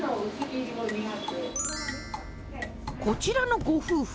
こちらのご夫婦。